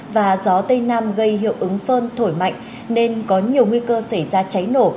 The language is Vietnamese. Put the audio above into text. và gió tây nam gây hiệu ứng phơn thổi mạnh nên có nhiều nguy cơ xảy ra cháy nổ